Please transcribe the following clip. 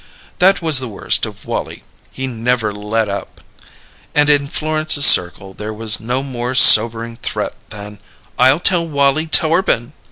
That was the worst of Wallie: he never "let up"; and in Florence's circle there was no more sobering threat than, "I'll tell Wallie Torbin!"